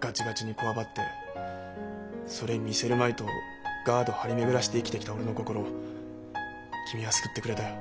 ガチガチにこわばってそれ見せるまいとガード張り巡らして生きてきた俺の心を君は救ってくれたよ。